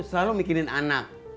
selalu mikirin anak